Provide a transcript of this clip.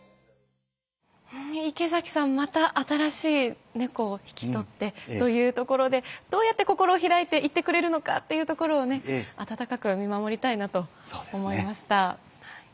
また新しい猫を引き取ってというところでどうやって心を開いて行ってくれるのかっていうところを温かく見守りたいなと思いました。